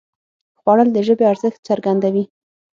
خوړل د ژبې ارزښت څرګندوي